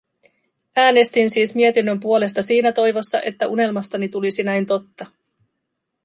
Äänestin siis mietinnön puolesta siinä toivossa, että unelmastani tulisi näin totta.